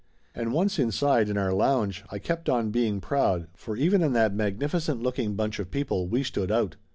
And once inside, in our lounge, I kept on being proud, for even in that magnificent looking bunch of people we stood out.